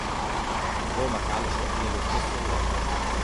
Roma calcio nello stesso ruolo.